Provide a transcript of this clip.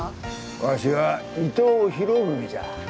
わしは伊藤博文じゃ。